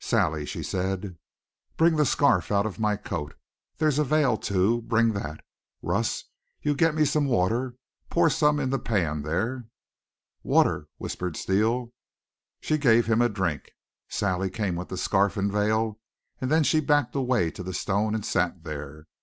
"Sally," she said, "bring the scarf out of my coat. There's a veil too. Bring that. Russ, you get me some water pour some in the pan there." "Water!" whispered Steele. She gave him a drink. Sally came with the scarf and veil, and then she backed away to the stone, and sat there.